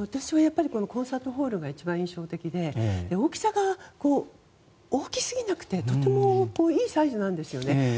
私はやっぱりコンサートホールが一番印象的で大きさが大きすぎなくてとてもいいサイズなんですよね。